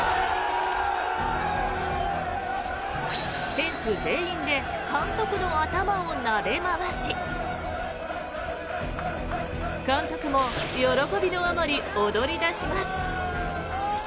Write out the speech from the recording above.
選手全員で監督の頭をなで回し監督も喜びのあまり踊り出します。